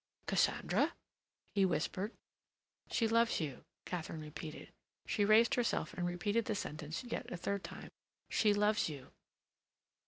"Cassandra?" he whispered. "She loves you," Katharine repeated. She raised herself and repeated the sentence yet a third time. "She loves you."